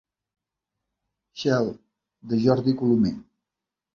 «Shelle» de Jordi Colomer.